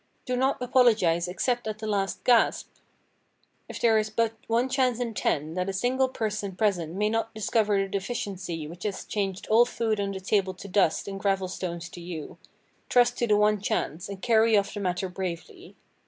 Do not apologize except at the last gasp! If there is but one chance in ten that a single person present may not discover the deficiency which has changed all food on the table to dust and gravel stones to you, trust to the one chance, and carry off the matter bravely.